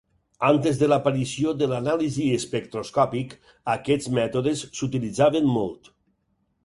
Antes de l"aparició de l"anàlisi espectroscòpic, aquests mètodes s"utilitzaven molt.